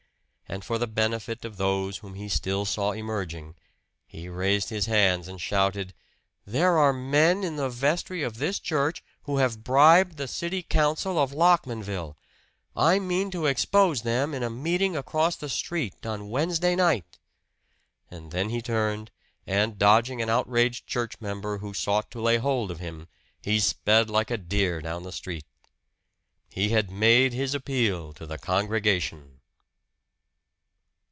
And for the benefit of those whom he still saw emerging, he raised his hands and shouted: "There are men in the vestry of this church who have bribed the city council of Lockmanville! I mean to expose them in a meeting across the street on Wednesday night!" And then he turned, and dodging an outraged church member who sought to lay hold of him, he sped like a deer down the street. He had made his appeal to the congregation!